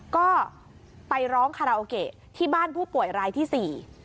ก็ไปร้องคาราโอเกะที่บ้านผู้ป่วยรายที่สี่